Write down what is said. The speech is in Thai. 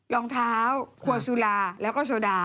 รองเท้าขวดสุราแล้วก็โซดา